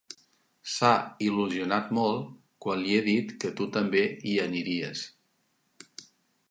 S'ha il·lusionat molt quan li he dit que tu també hi aniries.